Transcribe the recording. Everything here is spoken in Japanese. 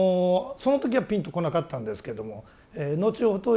その時はぴんとこなかったんですけども後ほど